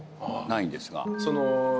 ないんですが。